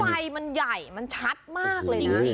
ไฟมันใหญ่มันชัดมากเลยจริง